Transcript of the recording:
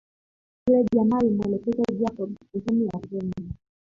Yule jamaa alimuelekeza Jacob sehemu ya kwenda